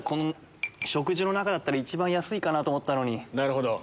食事の中だったら一番安いかなと思ったのに。